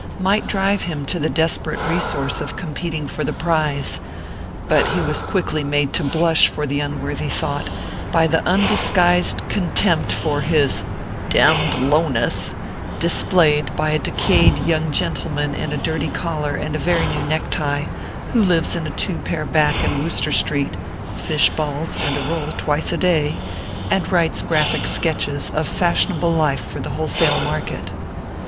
55 might drive him to the desperate resource of com peting for the prize ; but he was quickly made to blush for the unworthy thought, by the undisguised contempt for his "dcm d lowness" displayed by a decayed young gentleman in a dirty collar and very new neck tie, who lives in a two pair back in Wooster street (fish balls and a roll twice a day), and writes graphic sketches of fashionable life for the wholesale market.